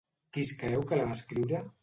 Qui es creu que la va escriure?